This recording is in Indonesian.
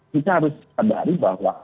kita harus sadari bahwa